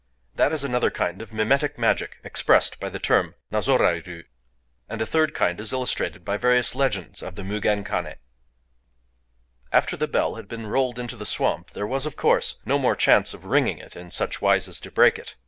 That is another kind of mimetic magic expressed by the term nazoraëru. And a third kind is illustrated by various legends of the Mugen Kané. After the bell had been rolled into the swamp, there was, of course, no more chance of ringing it in such wise as to break it.